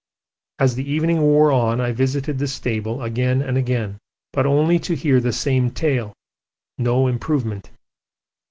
As the evening wore on I visited the stable again and again, but only to hear the same tale no improvement.